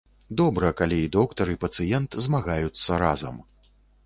Добра, калі і доктар, і пацыент змагаюцца разам.